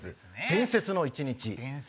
『伝説の一日』。